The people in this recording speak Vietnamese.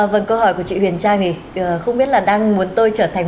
vâng câu hỏi của chị huyền trang thì không biết là đang muốn tôi trở thành